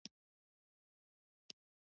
د علامه رشاد کتابتون نسخه رک په نخښه ښوول کېږي.